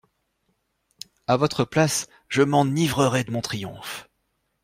A votre place, je m'enivrerais de mon triomphe.